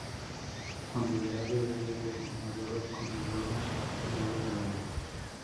Cuando el ave bebe del inodoro con la droga, el ave vuela.